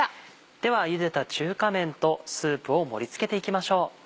ではゆでた中華麺とスープを盛り付けていきましょう。